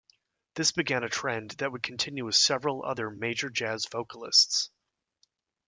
This began a trend that would continue with several other major jazz vocalists.